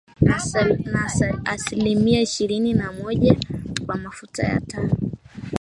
Na asilimia ishirini na moja kwa mafuta ya taa.